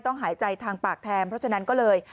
หายใจทางปากแทนเพราะฉะนั้นก็เลย